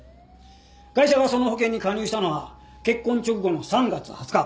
ガイシャがその保険に加入したのは結婚直後の３月２０日。